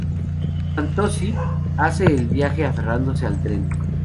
Fantozzi hace el viaje aferrándose al tren.